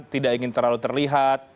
tidak ingin terlalu terlihat